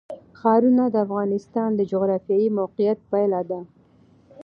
ښارونه د افغانستان د جغرافیایي موقیعت پایله ده.